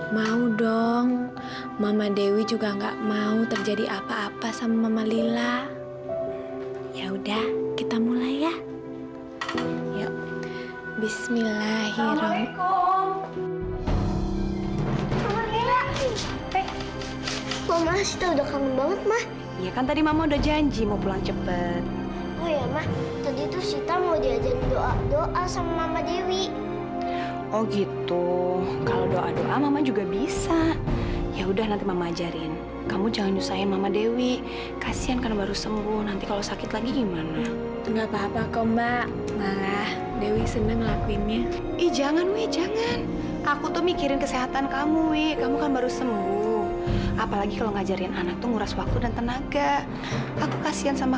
sampai jumpa di video selanjutnya